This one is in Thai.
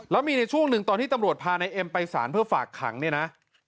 แล้วมีในช่วงหนึ่งตอนที่ตำรวจพานายเอ็มไปสารเพื่อฝากขังเนี่ยนะ